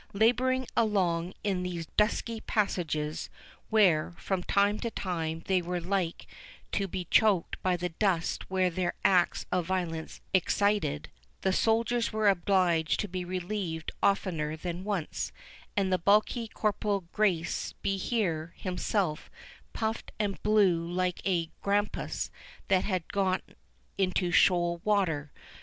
Labouring along in these dusky passages, where, from time to time, they were like to be choked by the dust which their acts of violence excited, the soldiers were obliged to be relieved oftener than once, and the bulky Corporal Grace be here himself puffed and blew like a grampus that has got into shoal water.